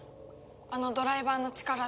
あのドライバーの力で。